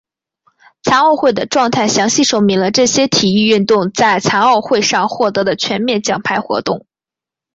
残奥会的状态详细说明了这些体育运动在残奥会上获得的全面奖牌活动。